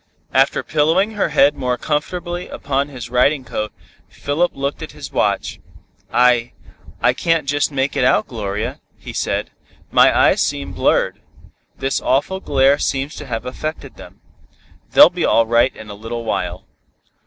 After pillowing her head more comfortably upon his riding coat, Philip looked at his watch. "I I can't just make it out, Gloria," he said. "My eyes seem blurred. This awful glare seems to have affected them. They'll be all right in a little while."